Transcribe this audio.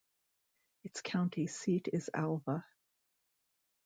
Its county seat is Alva.